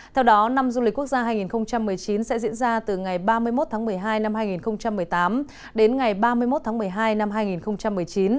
theo đó năm du lịch quốc gia hai nghìn một mươi chín sẽ diễn ra từ ngày ba mươi một tháng một mươi hai năm hai nghìn một mươi tám đến ngày ba mươi một tháng một mươi hai năm hai nghìn một mươi chín